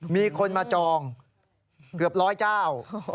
มีคนมาจองเกือบร้อยเจ้า